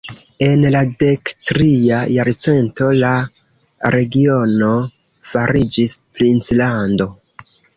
En la dektria jarcento, la regiono fariĝis princlando.